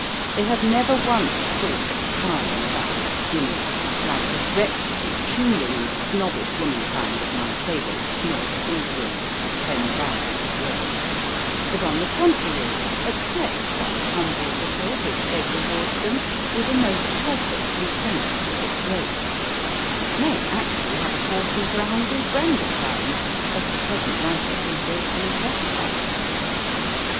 They have never once thought of crying about their dinner, like the wretchedly puling and Snobbish womankind of my favourite Snob Aubrey, of 'Ten Thousand a Year;' but, on the contrary, accept such humble victuals as fate awards them with a most perfect and thankful good grace nay, actually have a portion for a hungry friend at times as the present writer can gratefully testify.